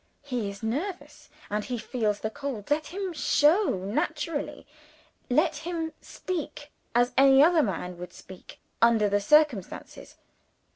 He is nervous, and he feels the cold. Let him show it naturally; let him speak as any other man would speak, under the circumstances.